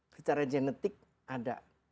secara genetik ada